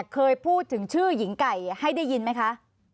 เคยพูดถึงชื่อหญิงไก่ให้ได้ยินไหมคะ